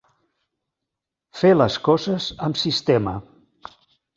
Fer les coses amb sistema.